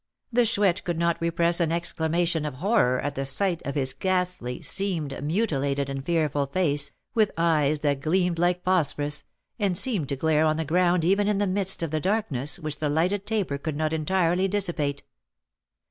The Chouette could not repress an exclamation of horror at the sight of his ghastly, seamed, mutilated, and fearful face, with eyes that gleamed like phosphorus, and seemed to glare on the ground even in the midst of the darkness which the lighted taper could not entirely dissipate.